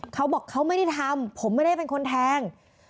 เขาบอกเขาไม่ได้ทำผมไม่ได้เป็นคนแทง